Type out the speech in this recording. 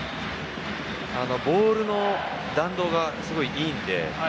ボールの弾道がすごい、いいので。